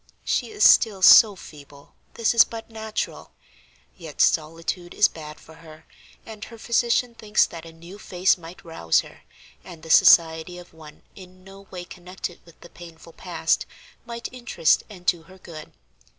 She is still so feeble this is but natural; yet solitude is bad for her, and her physician thinks that a new face might rouse her, and the society of one in no way connected with the painful past might interest and do her good.